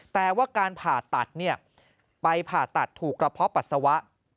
แต่ว่าการผ่าตัดไปผ่าตัดถูกกระเพาะปัสสาวะ